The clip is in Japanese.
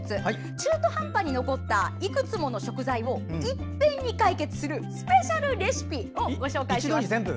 中途半端に残ったいくつもの食材をいっぺんに解決するスペシャルレシピをご紹介します。